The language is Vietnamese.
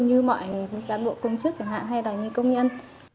như mọi cán bộ công chức chẳng hạn hay là những công nhân